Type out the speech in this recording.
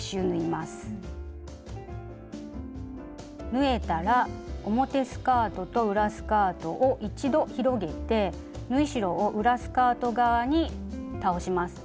縫えたら表スカートと裏スカートを一度広げて縫い代を裏スカート側に倒します。